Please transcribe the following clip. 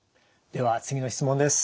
では次の質問です。